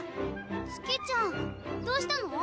月ちゃんどうしたの？